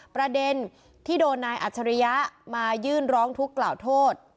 ประเด็นที่โดนนายอัจฉริยะมายื่นร้องทุกข์กล่าวโทษ